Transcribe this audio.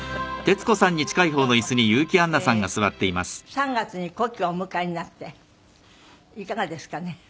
３月に古希をお迎えになっていかがですかね。